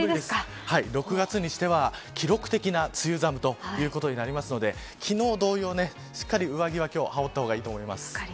６月にしては、記録的な梅雨寒ということになりますので昨日同様、しっかりと上着は羽織った方がいいと思います。